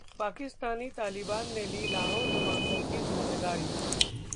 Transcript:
पाकिस्तानी तालिबान ने ली लाहौर धमाकों की जिम्मेदारी